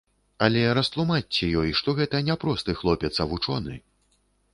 Але растлумачце ёй, што гэта не просты хлопец, а вучоны.